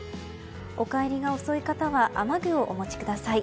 お帰りが遅い方は雨具をお持ちください。